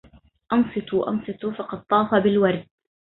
أنصتوا أنصتوا فقد طاف بالورد